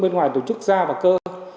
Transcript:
bên ngoài tổ chức da và cơ